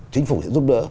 chính phủ sẽ giúp đỡ